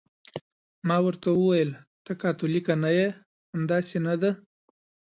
ما ورته وویل: ته کاتولیکه نه یې، همداسې نه ده؟